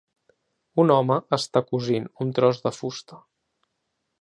Un home està cosint un tros de fusta.